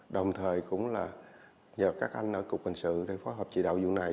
đồng thời cũng là nhờ các anh cục hình sự để phối hợp chỉ đạo vụ này